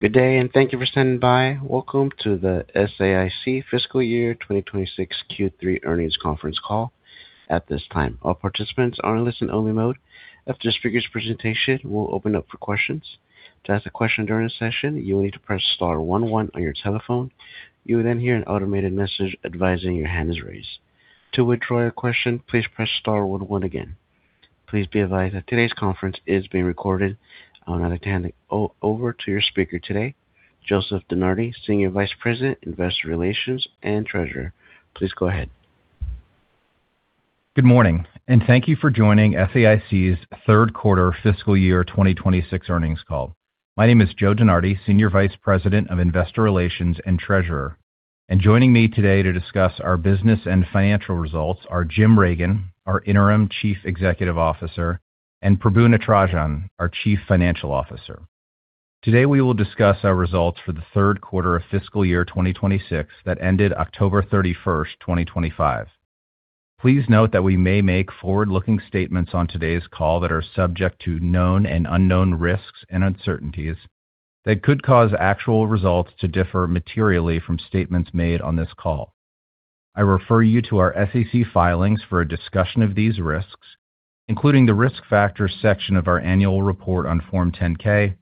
Good day, and thank you for standing by. Welcome to the SAIC Fiscal Year 2026 Q3 Earnings Conference Call. At this time, all participants are in listen-only mode. After the speaker's presentation, we'll open up for questions. To ask a question during the session, you will need to press star one one on your telephone. You will then hear an automated message advising your hand is raised. To withdraw your question, please press star one one again. Please be advised that today's conference is being recorded. I would like to hand it over to your speaker today, Joseph Denardi, Senior Vice President, Investor Relations and Treasurer. Please go ahead. Good morning, and thank you for joining SAIC's Third Quarter Fiscal Year 2026 Earnings Call. My name is Joe Denardi, Senior Vice President of Investor Relations and Treasurer. And joining me today to discuss our business and financial results are Jim Reagan, our Interim Chief Executive Officer, and Prabu Natarajan, our Chief Financial Officer. Today, we will discuss our results for the third quarter of fiscal year 2026 that ended October 31st, 2025. Please note that we may make forward-looking statements on today's call that are subject to known and unknown risks and uncertainties that could cause actual results to differ materially from statements made on this call. I refer you to our SAIC filings for a discussion of these risks, including the risk factors section of our annual report on Form 10-K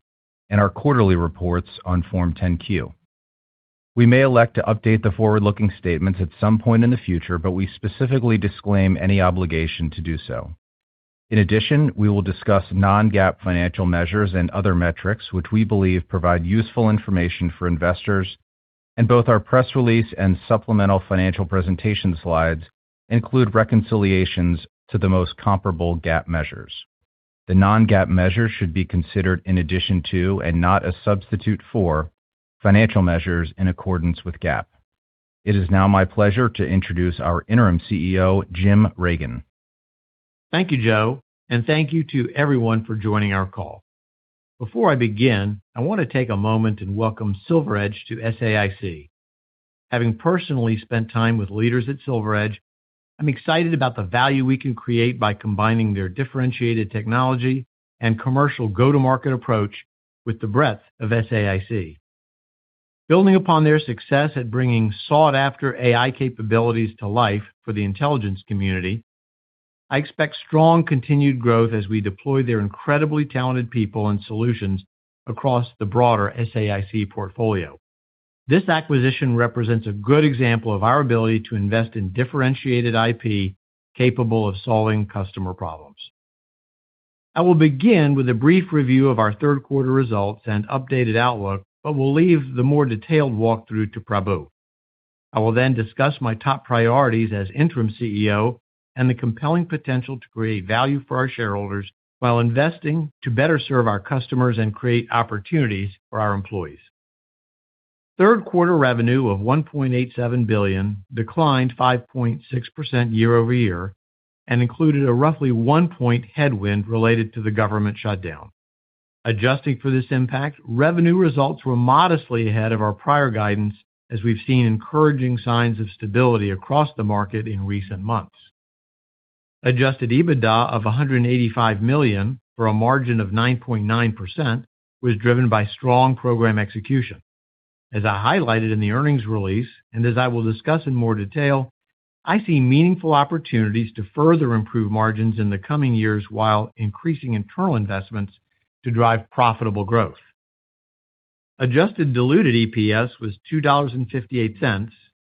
and our quarterly reports on Form 10-Q. We may elect to update the forward-looking statements at some point in the future, but we specifically disclaim any obligation to do so. In addition, we will discuss Non-GAAP financial measures and other metrics which we believe provide useful information for investors, and both our press release and supplemental financial presentation slides include reconciliations to the most comparable GAAP measures. The Non-GAAP measures should be considered in addition to, and not a substitute for, financial measures in accordance with GAAP. It is now my pleasure to introduce our Interim CEO, Jim Reagan. Thank you, Joe, and thank you to everyone for joining our call. Before I begin, I want to take a moment and welcome SilverEdge to SAIC. Having personally spent time with leaders at SilverEdge, I'm excited about the value we can create by combining their differentiated technology and commercial go-to-market approach with the breadth of SAIC. Building upon their success at bringing sought-after AI capabilities to life for the intelligence community, I expect strong continued growth as we deploy their incredibly talented people and solutions across the broader SAIC portfolio. This acquisition represents a good example of our ability to invest in differentiated IP capable of solving customer problems. I will begin with a brief review of our third quarter results and updated outlook, but will leave the more detailed walkthrough to Prabu. I will then discuss my top priorities as Interim CEO and the compelling potential to create value for our shareholders while investing to better serve our customers and create opportunities for our employees. Third quarter revenue of $1.87 billion declined 5.6% year-over-year and included a roughly one-point headwind related to the government shutdown. Adjusting for this impact, revenue results were modestly ahead of our prior guidance as we've seen encouraging signs of stability across the market in recent months. Adjusted EBITDA of $185 million for a margin of 9.9% was driven by strong program execution. As I highlighted in the earnings release, and as I will discuss in more detail, I see meaningful opportunities to further improve margins in the coming years while increasing internal investments to drive profitable growth. Adjusted diluted EPS was $2.58,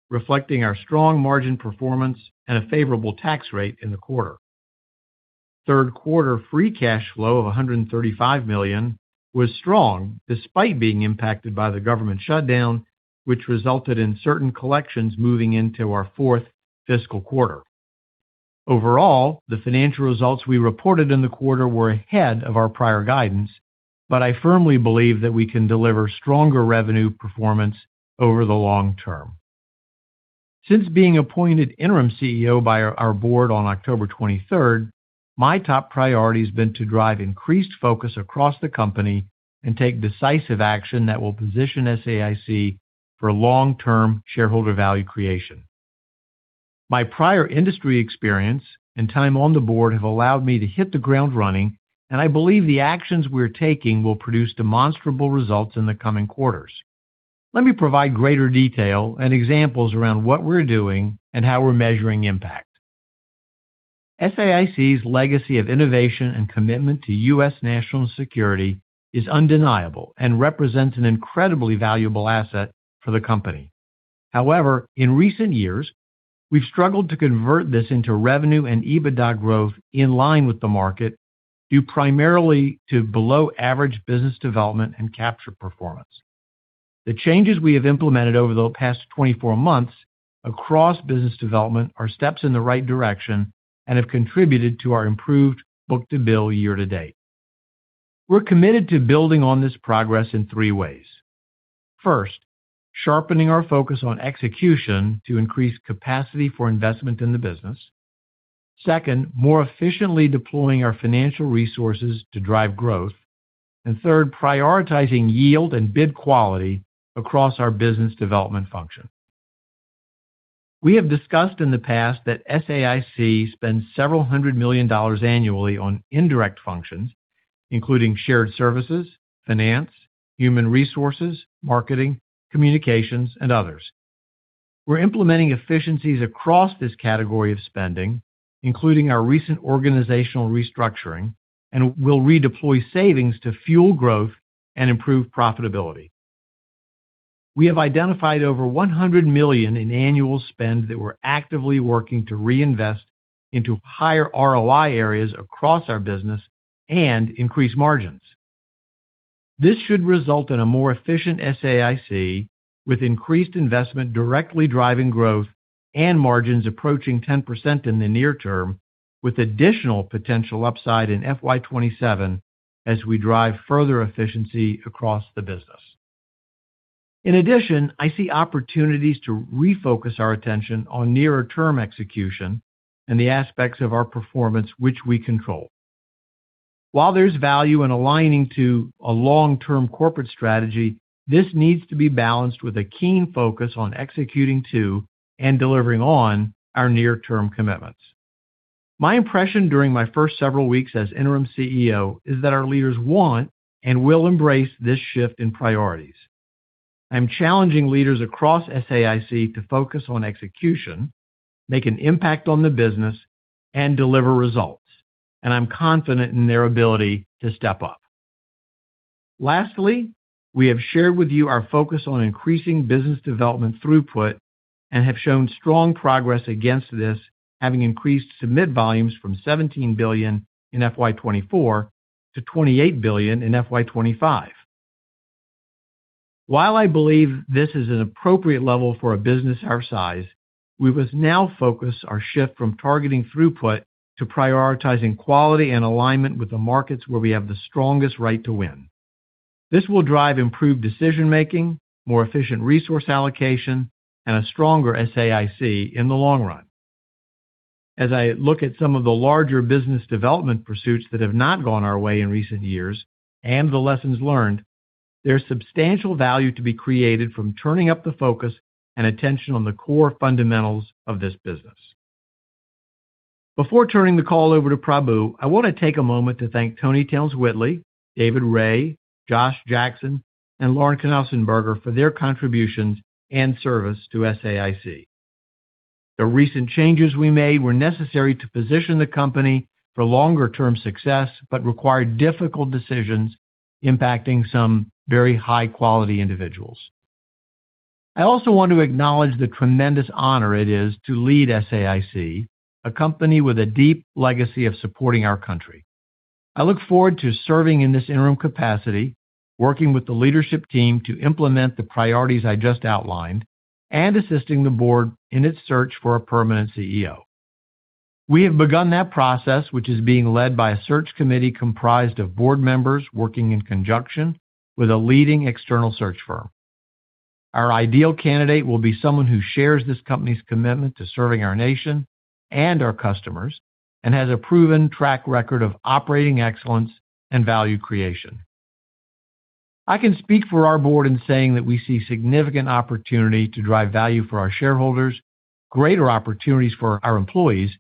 reflecting our strong margin performance and a favorable tax rate in the quarter. Third quarter free cash flow of $135 million was strong despite being impacted by the government shutdown, which resulted in certain collections moving into our fourth fiscal quarter. Overall, the financial results we reported in the quarter were ahead of our prior guidance, but I firmly believe that we can deliver stronger revenue performance over the long term. Since being appointed Interim CEO by our board on October 23rd, my top priority has been to drive increased focus across the company and take decisive action that will position SAIC for long-term shareholder value creation. My prior industry experience and time on the board have allowed me to hit the ground running, and I believe the actions we're taking will produce demonstrable results in the coming quarters. Let me provide greater detail and examples around what we're doing and how we're measuring impact. SAIC's legacy of innovation and commitment to U.S. National security is undeniable and represents an incredibly valuable asset for the company. However, in recent years, we've struggled to convert this into revenue and EBITDA growth in line with the market due primarily to below-average business development and capture performance. The changes we have implemented over the past 24 months across business development are steps in the right direction and have contributed to our improved Book-to-bill year to date. We're committed to building on this progress in three ways. First, sharpening our focus on execution to increase capacity for investment in the business. Second, more efficiently deploying our financial resources to drive growth. And third, prioritizing yield and bid quality across our business development function. We have discussed in the past that SAIC spends several hundred million dollars annually on indirect functions, including shared services, finance, human resources, marketing, communications, and others. We're implementing efficiencies across this category of spending, including our recent organizational restructuring, and we'll redeploy savings to fuel growth and improve profitability. We have identified over $100 million in annual spend that we're actively working to reinvest into higher ROI areas across our business and increase margins. This should result in a more efficient SAIC with increased investment directly driving growth and margins approaching 10% in the near term, with additional potential upside in FY 2027 as we drive further efficiency across the business. In addition, I see opportunities to refocus our attention on nearer-term execution and the aspects of our performance which we control. While there's value in aligning to a long-term corporate strategy, this needs to be balanced with a keen focus on executing to and delivering on our near-term commitments. My impression during my first several weeks as Interim CEO is that our leaders want and will embrace this shift in priorities. I'm challenging leaders across SAIC to focus on execution, make an impact on the business, and deliver results, and I'm confident in their ability to step up. Lastly, we have shared with you our focus on increasing business development throughput and have shown strong progress against this, having increased submit volumes from $17 billion in FY 2024 to $28 billion in FY 2025. While I believe this is an appropriate level for a business our size, we must now focus our shift from targeting throughput to prioritizing quality and alignment with the markets where we have the strongest right to win. This will drive improved decision-making, more efficient resource allocation, and a stronger SAIC in the long run. As I look at some of the larger business development pursuits that have not gone our way in recent years and the lessons learned, there's substantial value to be created from turning up the focus and attention on the core fundamentals of this business. Before turning the call over to Prabu, I want to take a moment to thank Tony Towns-Whitley, David Wray, Josh Jackson, and Lauren Knausenberger for their contributions and service to SAIC. The recent changes we made were necessary to position the company for longer-term success but required difficult decisions impacting some very high-quality individuals. I also want to acknowledge the tremendous honor it is to lead SAIC, a company with a deep legacy of supporting our country. I look forward to serving in this interim capacity, working with the leadership team to implement the priorities I just outlined, and assisting the board in its search for a permanent CEO. We have begun that process, which is being led by a search committee comprised of board members working in conjunction with a leading external search firm. Our ideal candidate will be someone who shares this company's commitment to serving our nation and our customers and has a proven track record of operating excellence and value creation. I can speak for our board in saying that we see significant opportunity to drive value for our shareholders, greater opportunities for our employees,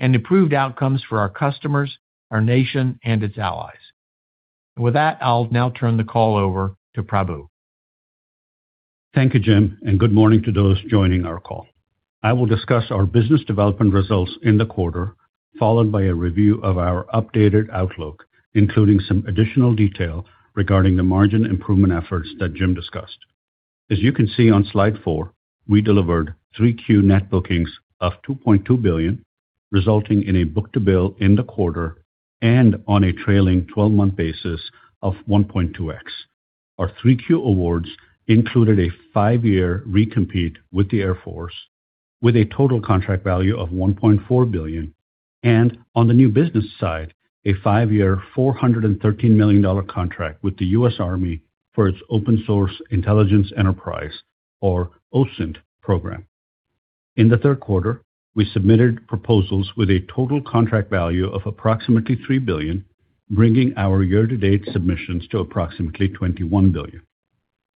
and improved outcomes for our customers, our nation, and its allies. With that, I'll now turn the call over to Prabu. Thank you, Jim, and good morning to those joining our call. I will discuss our business development results in the quarter, followed by a review of our updated outlook, including some additional detail regarding the margin improvement efforts that Jim discussed. As you can see on slide four, we delivered 3Q net bookings of $2.2 billion, resulting in a book-to-bill in the quarter and on a trailing 12-month basis of 1.2x. Our 3Q awards included a five-year recompete with the Air Force, with a total contract value of $1.4 billion, and on the new business side, a five-year $413 million contract with the U.S. Army for its open-source intelligence enterprise, or OSINT, program. In the third quarter, we submitted proposals with a total contract value of approximately $3 billion, bringing our year-to-date submissions to approximately $21 billion.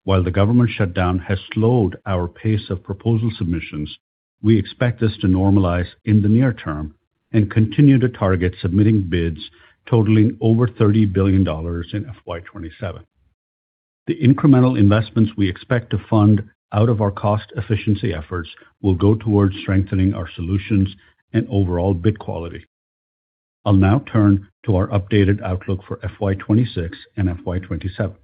While the government shutdown has slowed our pace of proposal submissions, we expect this to normalize in the near term and continue to target submitting bids totaling over $30 billion in FY 2027. The incremental investments we expect to fund out of our cost efficiency efforts will go towards strengthening our solutions and overall bid quality. I'll now turn to our updated outlook for FY 2026 and FY 2027.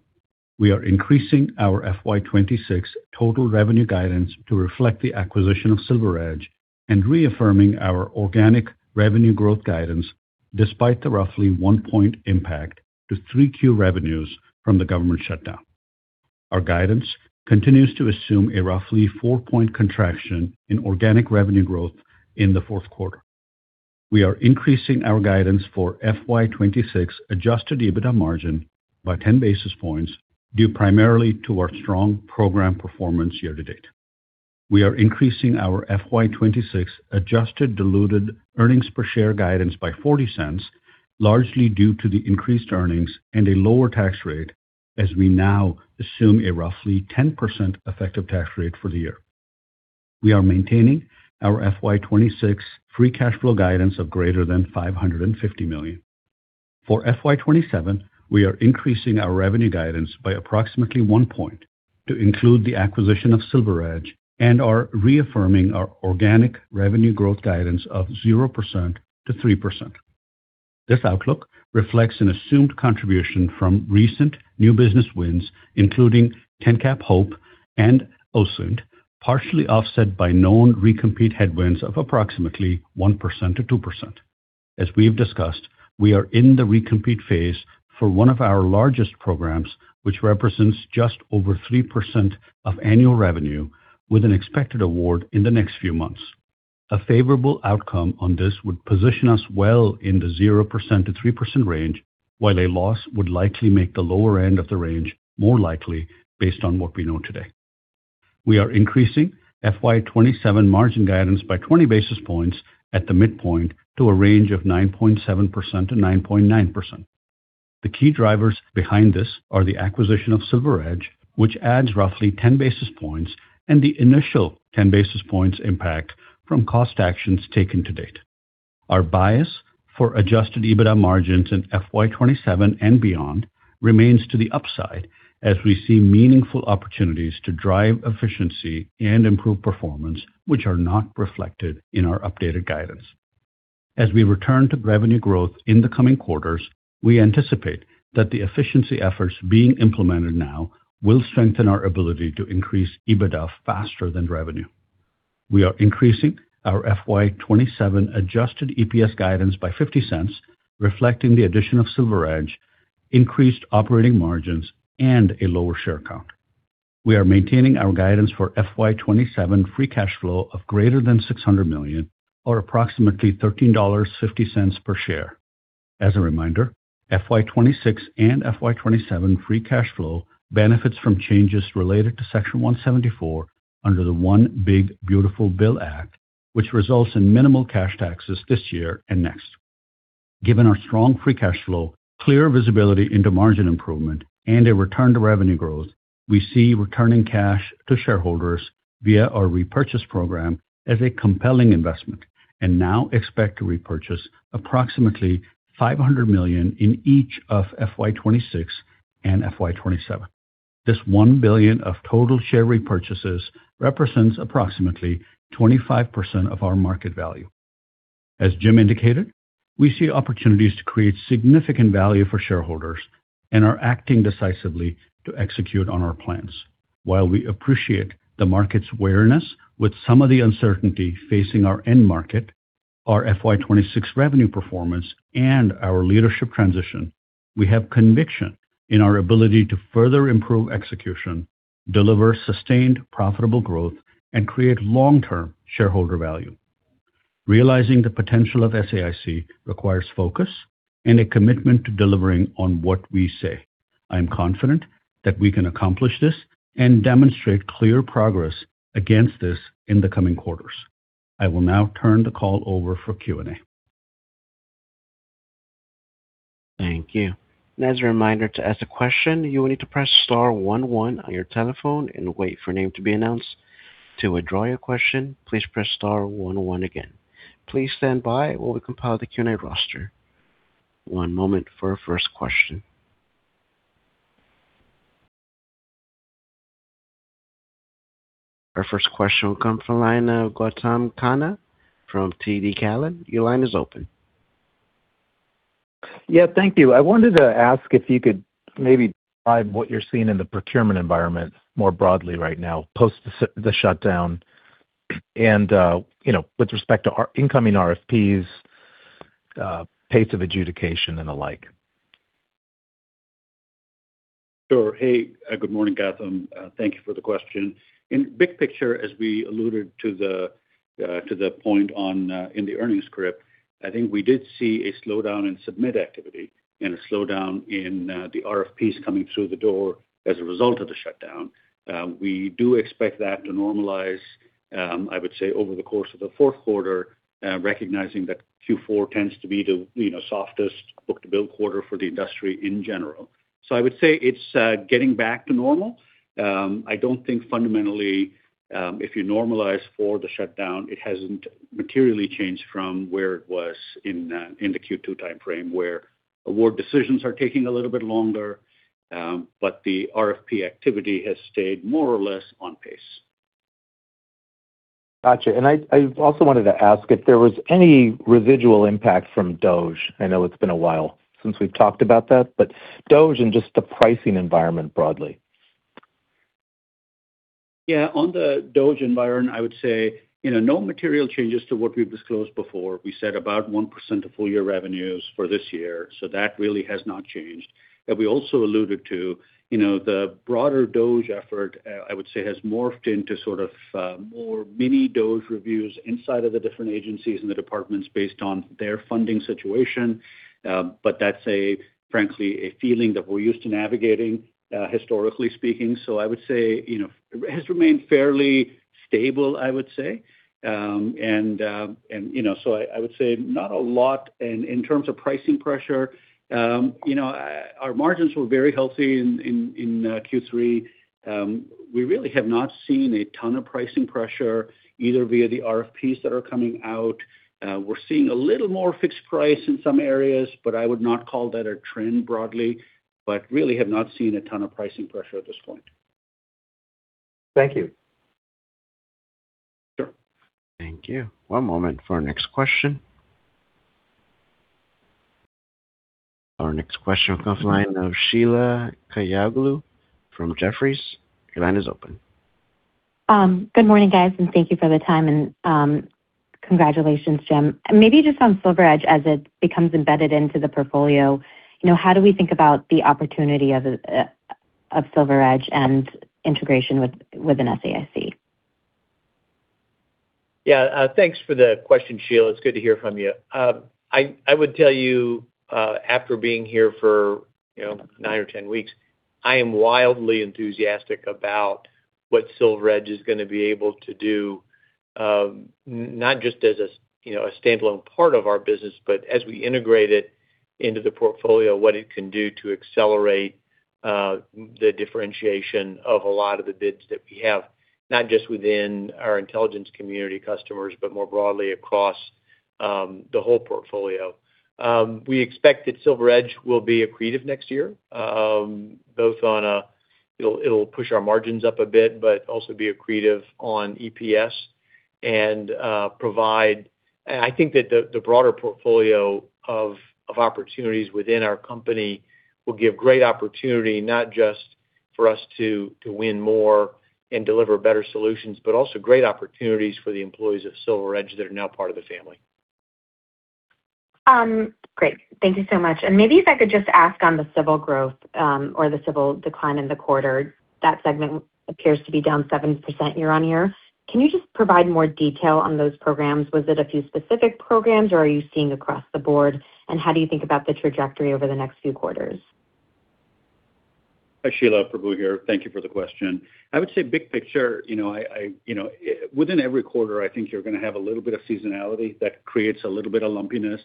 We are increasing our FY 2026 total revenue guidance to reflect the acquisition of SilverEdge and reaffirming our organic revenue growth guidance despite the roughly one-point impact to 3Q revenues from the government shutdown. Our guidance continues to assume a roughly four-point contraction in organic revenue growth in the fourth quarter. We are increasing our guidance for FY 2026 Adjusted EBITDA margin by 10 basis points due primarily to our strong program performance year to date. We are increasing our FY 2026 adjusted diluted earnings per share guidance by $0.40, largely due to the increased earnings and a lower tax rate as we now assume a roughly 10% effective tax rate for the year. We are maintaining our FY 2026 free cash flow guidance of greater than $550 million. For FY 2027, we are increasing our revenue guidance by approximately one point to include the acquisition of SilverEdge and are reaffirming our organic revenue growth guidance of 0%-3%. This outlook reflects an assumed contribution from recent new business wins, including TENCAP Hope and OSINT, partially offset by known recompete headwinds of approximately 1%-2%. As we've discussed, we are in the recompete phase for one of our largest programs, which represents just over 3% of annual revenue, with an expected award in the next few months. A favorable outcome on this would position us well in the 0%-3% range, while a loss would likely make the lower end of the range more likely based on what we know today. We are increasing FY 2027 margin guidance by 20 basis points at the midpoint to a range of 9.7%-9.9%. The key drivers behind this are the acquisition of SilverEdge, which adds roughly 10 basis points, and the initial 10 basis points impact from cost actions taken to date. Our bias for Adjusted EBITDA margins in FY 2027 and beyond remains to the upside as we see meaningful opportunities to drive efficiency and improve performance, which are not reflected in our updated guidance. As we return to revenue growth in the coming quarters, we anticipate that the efficiency efforts being implemented now will strengthen our ability to increase EBITDA faster than revenue. We are increasing our FY 2027 Adjusted EPS guidance by $0.50, reflecting the addition of SilverEdge, increased operating margins, and a lower share count. We are maintaining our guidance for FY 2027 free cash flow of greater than $600 million, or approximately $13.50 per share. As a reminder, FY 2026 and FY 2027 free cash flow benefits from changes related to Section 174 under the One Big Beautiful Bill Act, which results in minimal cash taxes this year and next. Given our strong free cash flow, clear visibility into margin improvement, and a return to revenue growth, we see returning cash to shareholders via our repurchase program as a compelling investment and now expect to repurchase approximately $500 million in each of FY 2026 and FY 2027. This $1 billion of total share repurchases represents approximately 25% of our market value. As Jim indicated, we see opportunities to create significant value for shareholders and are acting decisively to execute on our plans. While we appreciate the market's wariness with some of the uncertainty facing our end market, our FY 2026 revenue performance, and our leadership transition, we have conviction in our ability to further improve execution, deliver sustained profitable growth, and create long-term shareholder value. Realizing the potential of SAIC requires focus and a commitment to delivering on what we say. I am confident that we can accomplish this and demonstrate clear progress against this in the coming quarters. I will now turn the call over for Q&A. Thank you. And as a reminder to ask a question, you will need to press star one one on your telephone and wait for your name to be announced. To withdraw your question, please press starone one again. Please stand by while we compile the Q&A roster. One moment for our first question. Our first question will come from Gautam Khanna from TD Cowen. Your line is open. Yeah, thank you. I wanted to ask if you could maybe describe what you're seeing in the procurement environment more broadly right now post the shutdown and with respect to incoming RFPs, pace of adjudication, and the like? Sure. Hey, good morning, Gautam. Thank you for the question. In big picture, as we alluded to the point in the earnings script, I think we did see a slowdown in submit activity and a slowdown in the RFPs coming through the door as a result of the shutdown. We do expect that to normalize, I would say, over the course of the fourth quarter, recognizing that Q4 tends to be the softest book-to-bill quarter for the industry in general. So I would say it's getting back to normal. I don't think fundamentally, if you normalize for the shutdown, it hasn't materially changed from where it was in the Q2 timeframe, where award decisions are taking a little bit longer, but the RFP activity has stayed more or less on pace. Gotcha. And I also wanted to ask if there was any residual impact from DOGE. I know it's been a while since we've talked about that, but DOGE and just the pricing environment broadly. Yeah, on the DOGE environment, I would say no material changes to what we've disclosed before. We said about 1% of full-year revenues for this year, so that really has not changed, and we also alluded to the broader DOGE effort, I would say, has morphed into sort of more mini DOGE reviews inside of the different agencies and the departments based on their funding situation, but that's, frankly, a feeling that we're used to navigating, historically speaking, so I would say it has remained fairly stable, I would say, and so I would say not a lot, and in terms of pricing pressure, our margins were very healthy in Q3. We really have not seen a ton of pricing pressure either via the RFPs that are coming out. We're seeing a little more fixed price in some areas, but I would not call that a trend broadly, but really have not seen a ton of pricing pressure at this point. Thank you. Sure. Thank you. One moment for our next question. Our next question will come from Sheila Kahyaoglu from Jefferies. Your line is open. Good morning, guys, and thank you for the time. And congratulations, Jim. Maybe just on SilverEdge, as it becomes embedded into the portfolio, how do we think about the opportunity of SilverEdge and integration within SAIC? Yeah, thanks for the question, Sheila. It's good to hear from you. I would tell you, after being here for nine or ten weeks, I am wildly enthusiastic about what SilverEdge is going to be able to do, not just as a standalone part of our business, but as we integrate it into the portfolio, what it can do to accelerate the differentiation of a lot of the bids that we have, not just within our intelligence community customers, but more broadly across the whole portfolio. We expect that SilverEdge will be accretive next year, both on a—it'll push our margins up a bit, but also be accretive on EPS and provide—and I think that the broader portfolio of opportunities within our company will give great opportunity, not just for us to win more and deliver better solutions, but also great opportunities for the employees of SilverEdge that are now part of the family. Great. Thank you so much. And maybe if I could just ask on the civil growth or the civil decline in the quarter, that segment appears to be down 7% year-on-year. Can you just provide more detail on those programs? Was it a few specific programs, or are you seeing across the board? And how do you think about the trajectory over the next few quarters? Prabu Natarajan here. Thank you for the question. I would say big picture, within every quarter, I think you're going to have a little bit of seasonality that creates a little bit of lumpiness.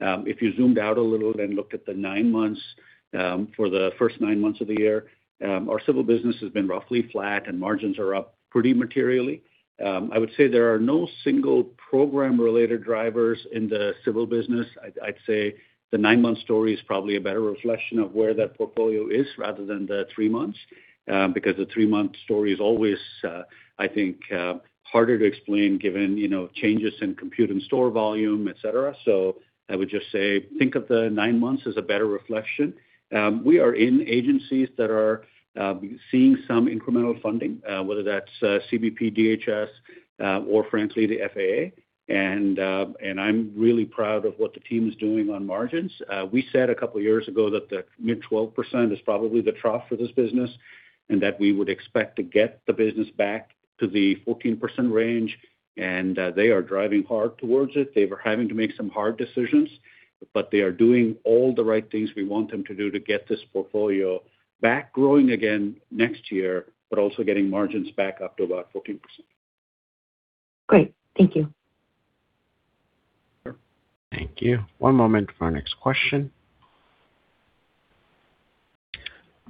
If you zoomed out a little and looked at the nine months for the first nine months of the year, our civil business has been roughly flat, and margins are up pretty materially. I would say there are no single program-related drivers in the civil business. I'd say the nine-month story is probably a better reflection of where that portfolio is rather than the three months, because the three-month story is always, I think, harder to explain given changes in compute and store volume, etc. So I would just say think of the nine months as a better reflection. We are in agencies that are seeing some incremental funding, whether that's CBP, DHS, or frankly, the FAA. And I'm really proud of what the team is doing on margins. We said a couple of years ago that the mid 12% is probably the trough for this business and that we would expect to get the business back to the 14% range. And they are driving hard towards it. They were having to make some hard decisions, but they are doing all the right things we want them to do to get this portfolio back growing again next year, but also getting margins back up to about 14%. Great. Thank you. Thank you. One moment for our next question.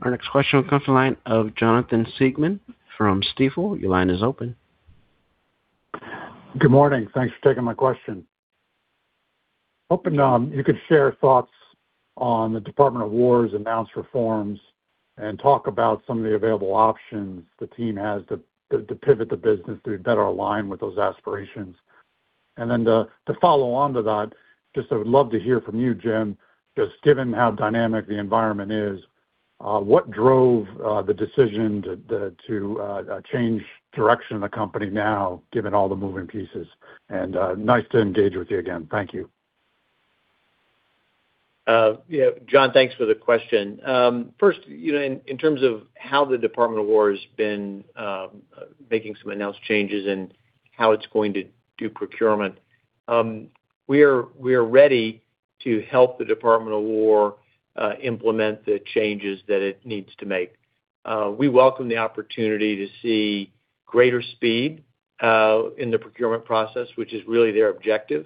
Our next question will come from the line of Jonathan Siegmann from Stifel. Your line is open. Good morning. Thanks for taking my question. Hoping you could share thoughts on the Department of War's announced reforms and talk about some of the available options the team has to pivot the business to better align with those aspirations. And then, to follow on to that, just I would love to hear from you, Jim, just given how dynamic the environment is, what drove the decision to change direction of the company now, given all the moving pieces? And nice to engage with you again. Thank you. Yeah, John, thanks for the question. First, in terms of how the Department of War has been making some announced changes and how it's going to do procurement, we are ready to help the Department of War implement the changes that it needs to make. We welcome the opportunity to see greater speed in the procurement process, which is really their objective,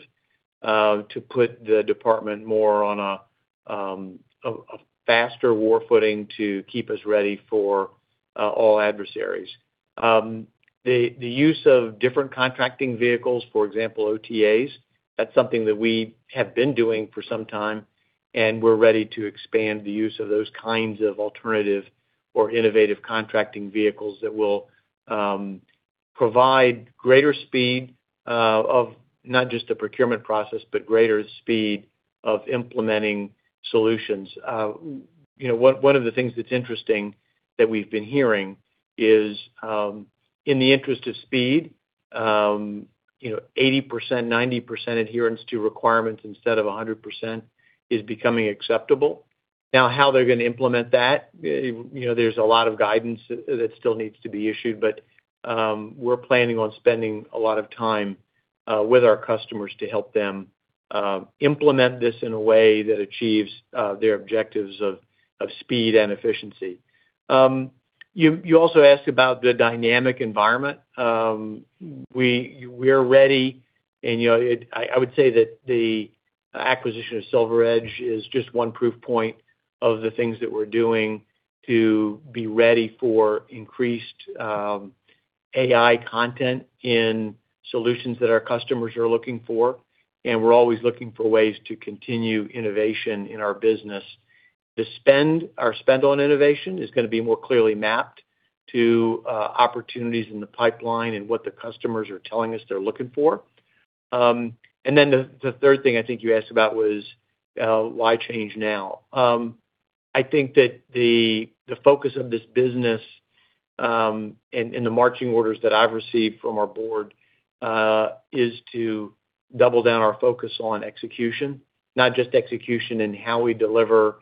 to put the department more on a faster war footing to keep us ready for all adversaries. The use of different contracting vehicles, for example, OTAs, that's something that we have been doing for some time, and we're ready to expand the use of those kinds of alternative or innovative contracting vehicles that will provide greater speed of not just the procurement process, but greater speed of implementing solutions. One of the things that's interesting that we've been hearing is, in the interest of speed, 80%-90% adherence to requirements instead of 100% is becoming acceptable. Now, how they're going to implement that, there's a lot of guidance that still needs to be issued, but we're planning on spending a lot of time with our customers to help them implement this in a way that achieves their objectives of speed and efficiency. You also asked about the dynamic environment. We are ready, and I would say that the acquisition of SilverEdge is just one proof point of the things that we're doing to be ready for increased AI content in solutions that our customers are looking for, and we're always looking for ways to continue innovation in our business. Our spend on innovation is going to be more clearly mapped to opportunities in the pipeline and what the customers are telling us they're looking for. And then the third thing I think you asked about was why change now? I think that the focus of this business and the marching orders that I've received from our board is to double down our focus on execution, not just execution in how we deliver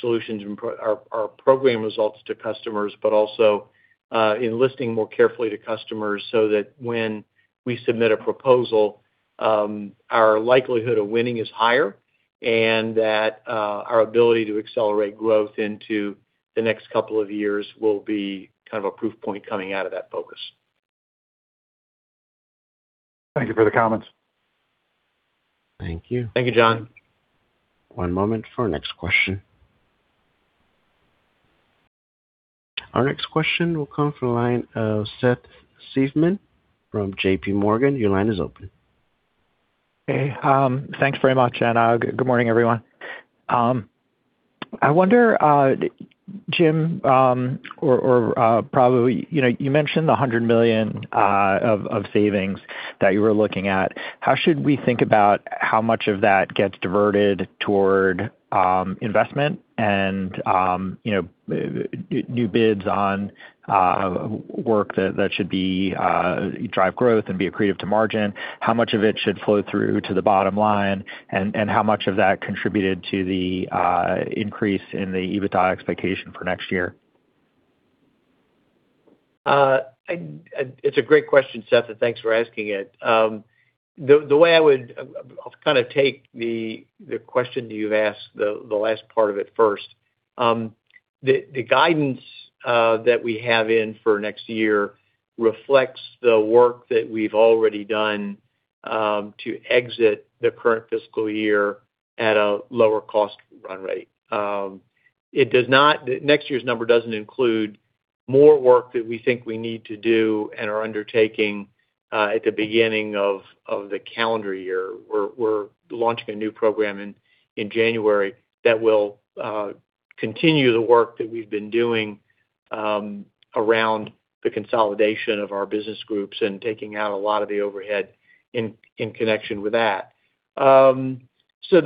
solutions and our program results to customers, but also enlisting more carefully to customers so that when we submit a proposal, our likelihood of winning is higher and that our ability to accelerate growth into the next couple of years will be kind of a proof point coming out of that focus. Thank you for the comments. Thank you. Thank you, John. One moment for our next question. Our next question will come from the line of Seth Seifman from J.P. Morgan. Your line is open. Hey, thanks very much, and good morning, everyone. I wonder, Jim, or probably you mentioned the $100 million of savings that you were looking at. How should we think about how much of that gets diverted toward investment and new bids on work that should drive growth and be accretive to margin? How much of it should flow through to the bottom line, and how much of that contributed to the increase in the EBITDA expectation for next year? It's a great question, Seth, and thanks for asking it. The way I would kind of take the question you've asked, the last part of it first, the guidance that we have in for next year reflects the work that we've already done to exit the current fiscal year at a lower cost run rate. Next year's number doesn't include more work that we think we need to do and are undertaking at the beginning of the calendar year. We're launching a new program in January that will continue the work that we've been doing around the consolidation of our business groups and taking out a lot of the overhead in connection with that. So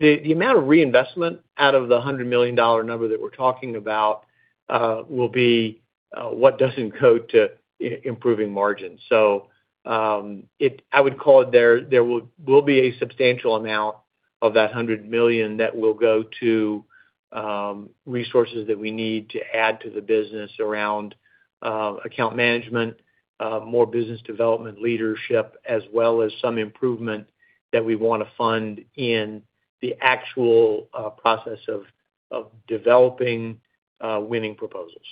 the amount of reinvestment out of the $100 million number that we're talking about will be what does encode to improving margins. I would call it there will be a substantial amount of that $100 million that will go to resources that we need to add to the business around account management, more business development leadership, as well as some improvement that we want to fund in the actual process of developing winning proposals.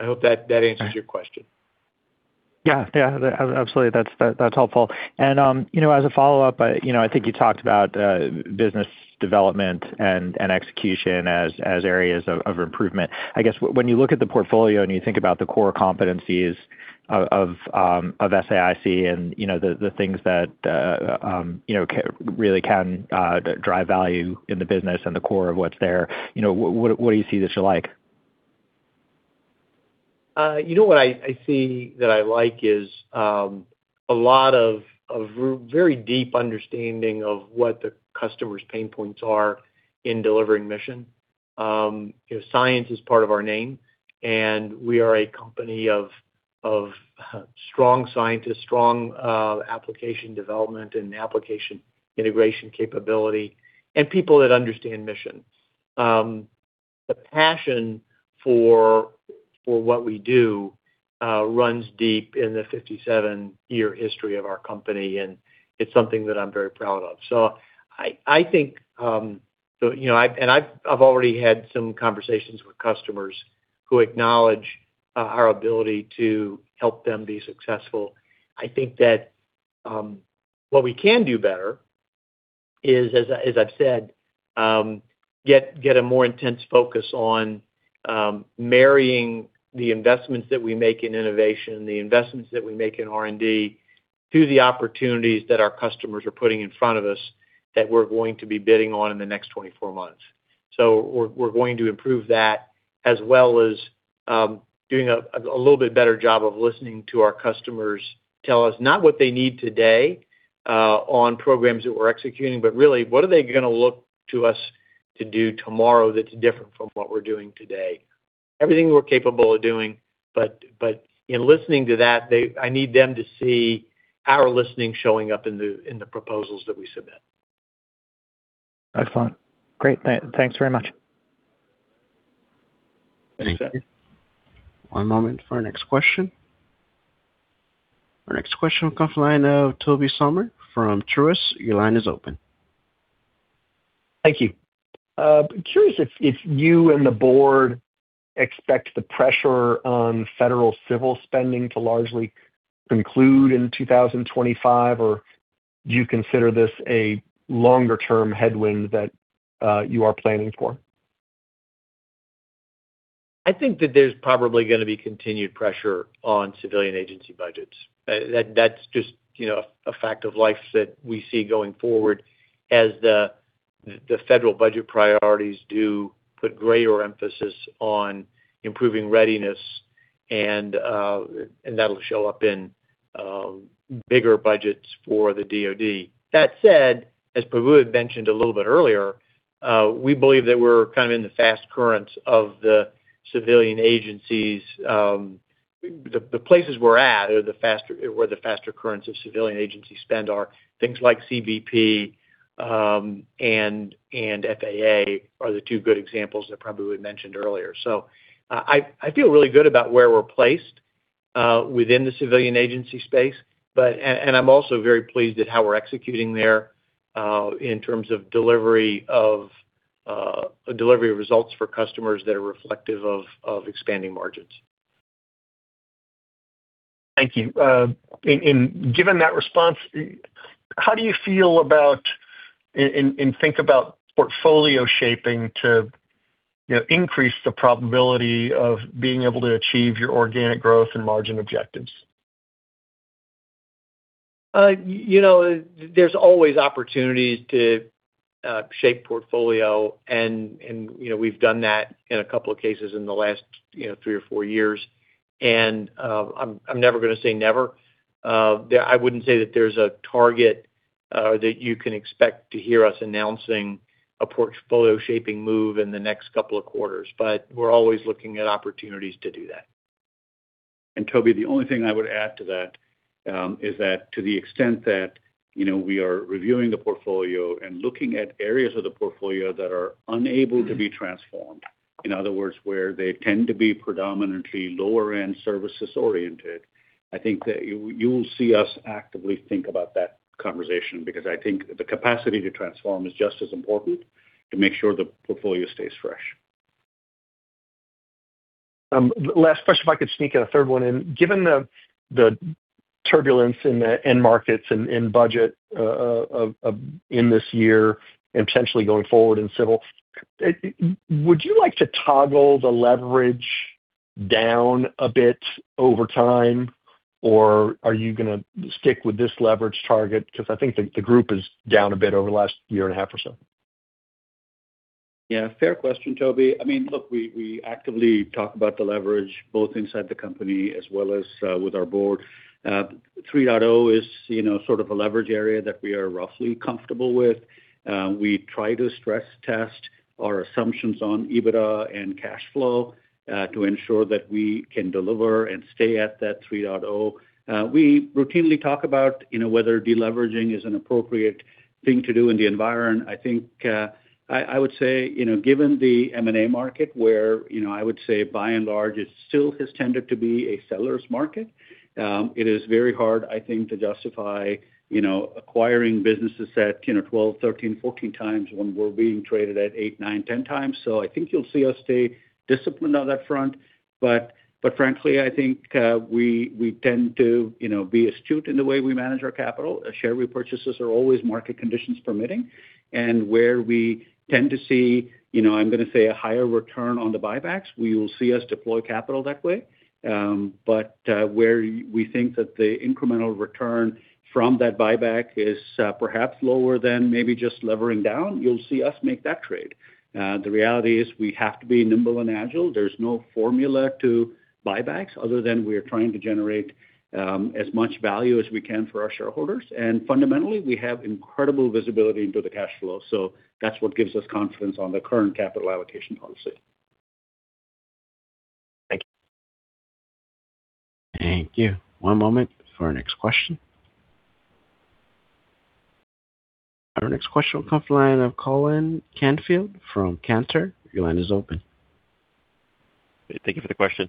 I hope that answers your question. Yeah, yeah. Absolutely. That's helpful. And as a follow-up, I think you talked about business development and execution as areas of improvement. I guess when you look at the portfolio and you think about the core competencies of SAIC and the things that really can drive value in the business and the core of what's there, what do you see that you like? You know what I see that I like is a lot of very deep understanding of what the customer's pain points are in delivering mission. Science is part of our name, and we are a company of strong scientists, strong application development and application integration capability, and people that understand mission. The passion for what we do runs deep in the 57-year history of our company, and it's something that I'm very proud of, so I think, and I've already had some conversations with customers who acknowledge our ability to help them be successful. I think that what we can do better is, as I've said, get a more intense focus on marrying the investments that we make in innovation, the investments that we make in R&D, to the opportunities that our customers are putting in front of us that we're going to be bidding on in the next 24 months. So we're going to improve that as well as doing a little bit better job of listening to our customers tell us not what they need today on programs that we're executing, but really, what are they going to look to us to do tomorrow that's different from what we're doing today? Everything we're capable of doing, but in listening to that, I need them to see our listening showing up in the proposals that we submit. Excellent. Great. Thanks very much. Thank you, Seth. One moment for our next question. Our next question will come from the line of Toby Sommer from Truist. Your line is open. Thank you. Curious if you and the board expect the pressure on federal civil spending to largely conclude in 2025, or do you consider this a longer-term headwind that you are planning for? I think that there's probably going to be continued pressure on civilian agency budgets. That's just a fact of life that we see going forward as the federal budget priorities do put greater emphasis on improving readiness, and that'll show up in bigger budgets for the DoD. That said, as Prabu had mentioned a little bit earlier, we believe that we're kind of in the fast currents of the civilian agencies. The places we're at are the faster currents of civilian agency spend are things like CBP and FAA are the two good examples that Prabu had mentioned earlier. I feel really good about where we're placed within the civilian agency space, and I'm also very pleased at how we're executing there in terms of delivery of results for customers that are reflective of expanding margins. Thank you. And given that response, how do you feel about and think about portfolio shaping to increase the probability of being able to achieve your organic growth and margin objectives? There's always opportunities to shape portfolio, and we've done that in a couple of cases in the last three or four years. And I'm never going to say never. I wouldn't say that there's a target or that you can expect to hear us announcing a portfolio shaping move in the next couple of quarters, but we're always looking at opportunities to do that. Toby, the only thing I would add to that is that to the extent that we are reviewing the portfolio and looking at areas of the portfolio that are unable to be transformed, in other words, where they tend to be predominantly lower-end services oriented, I think that you will see us actively think about that conversation because I think the capacity to transform is just as important to make sure the portfolio stays fresh. Last question, if I could sneak in a third one in. Given the turbulence in the end markets and budget in this year and potentially going forward in civil, would you like to toggle the leverage down a bit over time, or are you going to stick with this leverage target? Because I think the group is down a bit over the last year and a half or so. Yeah, fair question, Toby. I mean, look, we actively talk about the leverage both inside the company as well as with our board. 3.0 is sort of a leverage area that we are roughly comfortable with. We try to stress test our assumptions on EBITDA and cash flow to ensure that we can deliver and stay at that 3.0. We routinely talk about whether deleveraging is an appropriate thing to do in the environment. I think I would say, given the M&A market, where I would say by and large it still has tended to be a seller's market, it is very hard, I think, to justify acquiring businesses at 12, 13, 14x when we're being traded at 8, 9, 10x. So I think you'll see us stay disciplined on that front. But frankly, I think we tend to be astute in the way we manage our capital. Share repurchases are always, market conditions permitting. And where we tend to see, I'm going to say, a higher return on the buybacks, we will see us deploy capital that way. But where we think that the incremental return from that buyback is perhaps lower than maybe just levering down, you'll see us make that trade. The reality is we have to be nimble and agile. There's no formula to buybacks other than we are trying to generate as much value as we can for our shareholders. And fundamentally, we have incredible visibility into the cash flow. So that's what gives us confidence on the current capital allocation policy. Thank you. Thank you. One moment for our next question. Our next question will come from the line of Colin Canfield from Cantor. Your line is open. Thank you for the question.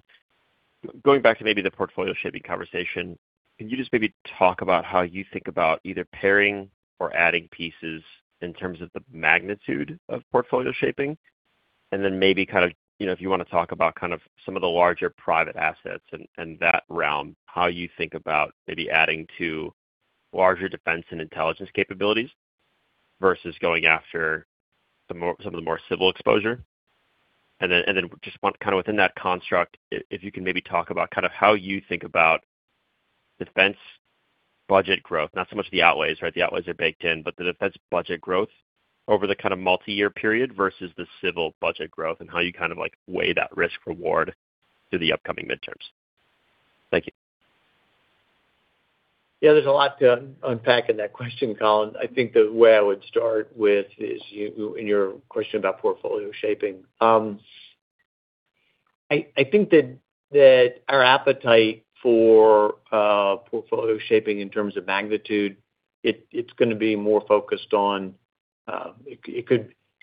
Going back to maybe the portfolio shaping conversation, can you just maybe talk about how you think about either pairing or adding pieces in terms of the magnitude of portfolio shaping? And then maybe kind of if you want to talk about kind of some of the larger private assets and that realm, how you think about maybe adding to larger defense and intelligence capabilities versus going after some of the more civil exposure? And then just kind of within that construct, if you can maybe talk about kind of how you think about defense budget growth, not so much the outlays, right? The outlays are baked in, but the defense budget growth over the kind of multi-year period versus the civil budget growth and how you kind of weigh that risk-reward through the upcoming midterms. Thank you. Yeah, there's a lot to unpack in that question, Colin. I think the way I would start with is in your question about portfolio shaping. I think that our appetite for portfolio shaping in terms of magnitude, it's going to be more focused on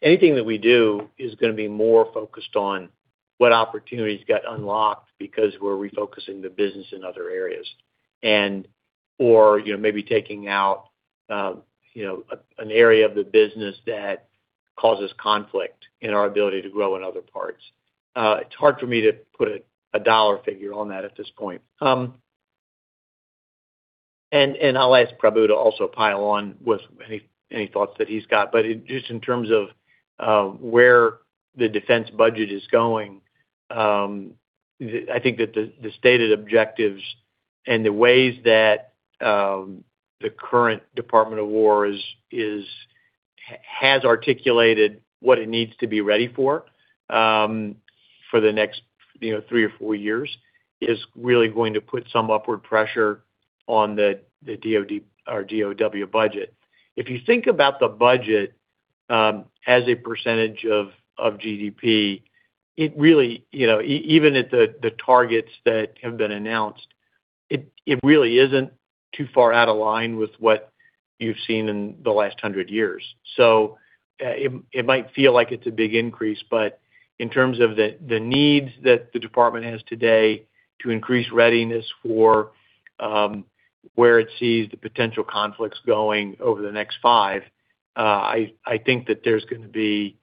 anything that we do is going to be more focused on what opportunities got unlocked because we're refocusing the business in other areas or maybe taking out an area of the business that causes conflict in our ability to grow in other parts. It's hard for me to put a dollar figure on that at this point. And I'll ask Prabu to also pile on with any thoughts that he's got. But just in terms of where the defense budget is going, I think that the stated objectives and the ways that the current Department of War has articulated what it needs to be ready for the next three or four years is really going to put some upward pressure on the DoD budget. If you think about the budget as a percentage of GDP, even at the targets that have been announced, it really isn't too far out of line with what you've seen in the last 100 years. So it might feel like it's a big increase, but in terms of the needs that the department has today to increase readiness for where it sees the potential conflicts going over the next five, I think that there's going to be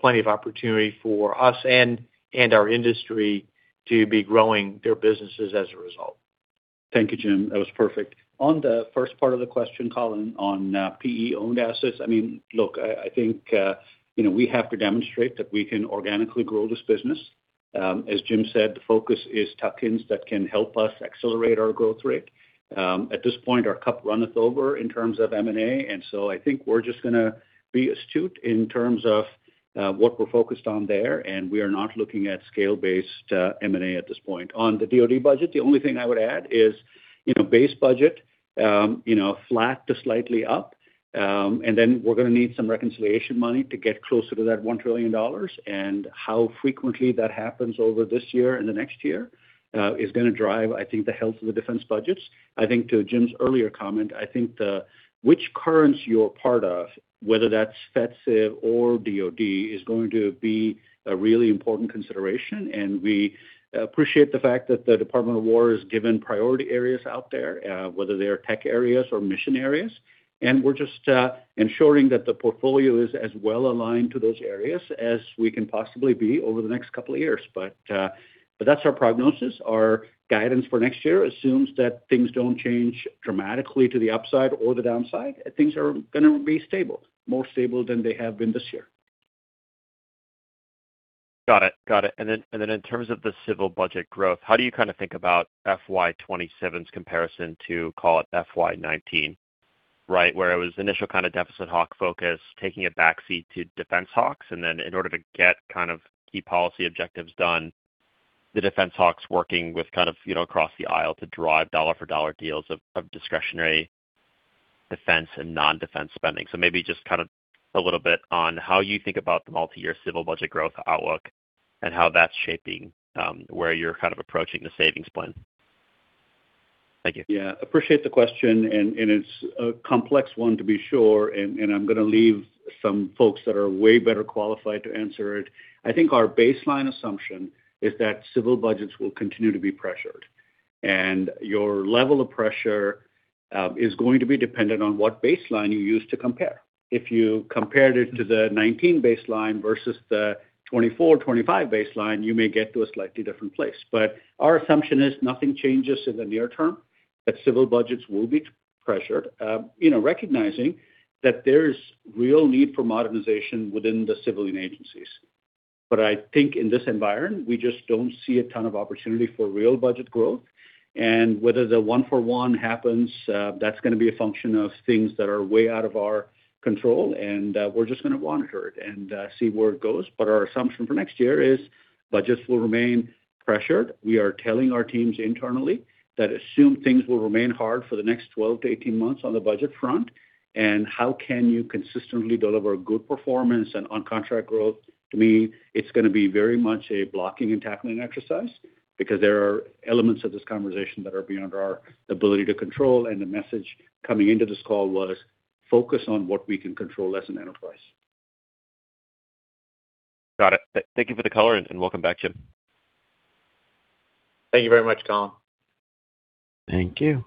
plenty of opportunity for us and our industry to be growing their businesses as a result. Thank you, Jim. That was perfect. On the first part of the question, Colin, on PE-owned assets, I mean, look, I think we have to demonstrate that we can organically grow this business. As Jim said, the focus is tuck-ins that can help us accelerate our growth rate. At this point, our cup runneth over in terms of M&A. And so I think we're just going to be astute in terms of what we're focused on there, and we are not looking at scale-based M&A at this point. On the DoD budget, the only thing I would add is base budget, flat to slightly up, and then we're going to need some reconciliation money to get closer to that $1 trillion. And how frequently that happens over this year and the next year is going to drive, I think, the health of the defense budgets. I think to Jim's earlier comment, I think which currency you're part of, whether that's FETSIV or DoD, is going to be a really important consideration. And we appreciate the fact that the Department of War has given priority areas out there, whether they're tech areas or mission areas. And we're just ensuring that the portfolio is as well aligned to those areas as we can possibly be over the next couple of years. But that's our prognosis. Our guidance for next year assumes that things don't change dramatically to the upside or the downside. Things are going to be stable, more stable than they have been this year. Got it. Got it. And then in terms of the civil budget growth, how do you kind of think about FY 2027's comparison to, call it, FY 2019, right, where it was initial kind of deficit hawk focus, taking a backseat to defense hawks? And then in order to get kind of key policy objectives done, the defense hawks working with kind of across the aisle to drive dollar-for-dollar deals of discretionary defense and non-defense spending. So maybe just kind of a little bit on how you think about the multi-year civil budget growth outlook and how that's shaping where you're kind of approaching the savings plan. Thank you. Yeah. I appreciate the question. And it's a complex one, to be sure. And I'm going to leave some folks that are way better qualified to answer it. I think our baseline assumption is that civil budgets will continue to be pressured. And your level of pressure is going to be dependent on what baseline you use to compare. If you compared it to the 2019 baseline versus the 2024, 2025 baseline, you may get to a slightly different place. But our assumption is nothing changes in the near term, but civil budgets will be pressured, recognizing that there's real need for modernization within the civilian agencies. But I think in this environment, we just don't see a ton of opportunity for real budget growth. And whether the one-for-one happens, that's going to be a function of things that are way out of our control. And we're just going to monitor it and see where it goes. But our assumption for next year is budgets will remain pressured. We are telling our teams internally that assume things will remain hard for the next 12-18 months on the budget front. And how can you consistently deliver good performance and on-contract growth? To me, it's going to be very much a blocking and tackling exercise because there are elements of this conversation that are beyond our ability to control. And the message coming into this call was focus on what we can control as an enterprise. Got it. Thank you for the color, and welcome back, Jim. Thank you very much, Colin. Thank you.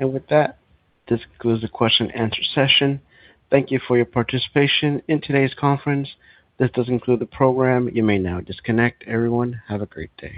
And with that, this concludes the question-and-answer session. Thank you for your participation in today's conference. This does include the program. You may now disconnect. Everyone, have a great day.